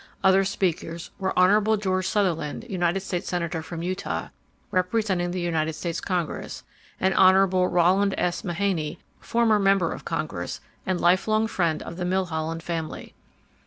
Other speakers were Honorable George Sutherland, United States Senator from Utah, representing the United States Congress; and Honorable Rowland S. Mahany, former member of Congress and lifelong friend of the Milholland family.